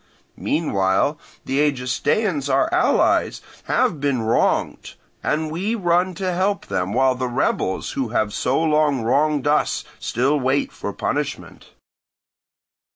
Meanwhile the Egestaeans, our allies, have been wronged, and we run to help them, while the rebels who have so long wronged us still wait for punishment.